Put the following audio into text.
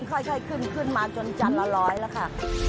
ค่อยขึ้นมาจนจานละ๑๐๐บาทแล้วค่ะ